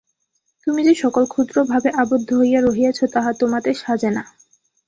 তুমি যে-সকল ক্ষুদ্র ভাবে আবদ্ধ হইয়া রহিয়াছ, তাহা তোমাতে সাজে না।